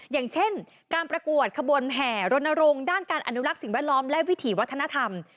อย่างเช่นการประกวดขบวนแห่รณรงค์ด้านการอนุรักษ์สิ่งแวดล้อมและวิถีวัฒนธรรม